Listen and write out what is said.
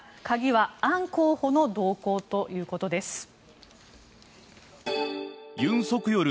鍵はアン候補の動向ということです。